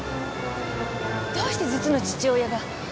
どうして実の父親が。